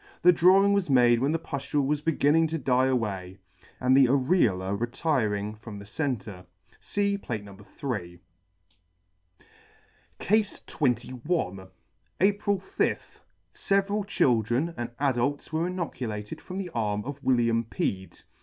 The drawing was made when the puftule was beginning to die away, and the areola retiring from the centre. (See Plate, No. 3.) CASE [ 37 ] CASE XXL APRIL 5th. Several children and adults were inoculated from the arm of William Pead.